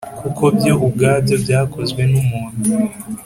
Kuko byo ubwabyo byakozwe n’umuntu,